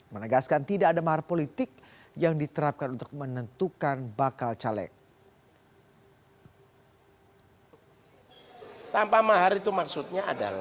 menegaskan tidak ada mahar politik yang diterapkan untuk menentukan bakal calon